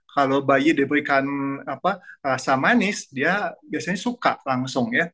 kalau bayi diberikan rasa manis dia biasanya suka langsung ya